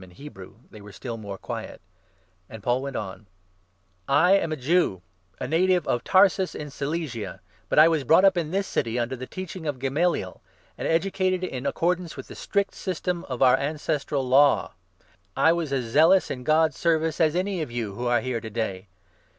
jn Hebrew, they were still more quiet ; and Paul went on :" I am a Jew, a native of Tarsus in Cilicia, but I was brought 3 up in this city under the teaching of Gamaliel, and educated in accordance with the strict system of our ancestral Law. I was as zealous in God's service as any of you who are here to day.